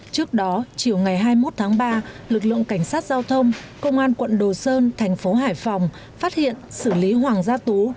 trước đó chiều ngày hai mươi một tháng ba lực lượng cảnh sát giao thông công an quận đồ sơn thành phố hải phòng phát hiện xử lý hoàng gia tú